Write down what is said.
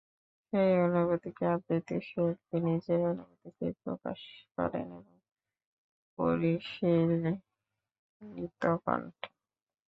সেই অনুভূতিকে আবৃত্তি শিল্পী নিজের অনুভূতিকেই প্রকাশ করেন তাঁর পরিশীলিত কণ্ঠে।